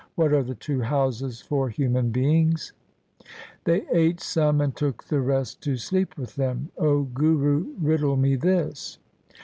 What are the two houses for human beings ? They ate some and took the rest to sleep with them. O Guru, riddle me this.'